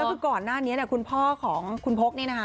แล้วก็ก่อนหน้านี้เนี่ยคุณพ่อของคุณพกนี่นะฮะ